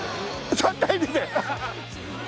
３対２で！